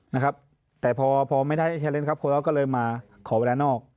นะครับแต่พอไม่ได้เชอร์เลนส์ครับโค้ดอ๊อกก็เลยมาขอเวลานอก